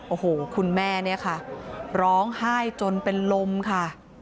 โอ้โหคุณแม่เนี่ยค่ะร้องไห้จนเป็นลมค่ะ